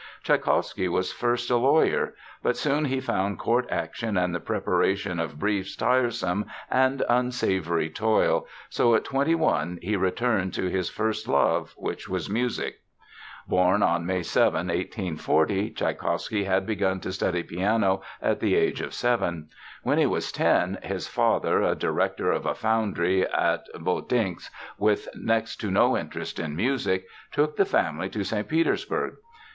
Tschaikowsky was first a lawyer. But soon he found court action and the preparation of briefs tiresome and unsavory toil, so at twenty one he returned to his first love, which was music. Born on May 7, 1840, Tschaikowsky had begun to study piano at the age of seven. When he was ten, his father, a director of a foundry at Votinsk with next to no interest in music, took the family to St. Petersburg.